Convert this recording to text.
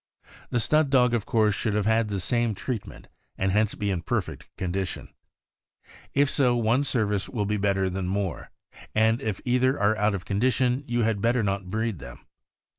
The stud dog, of course, should have had the same treat ment, and hence be in perfect condition. If so, one .service will be better than more; and if either are out of condition, you had better not breed them.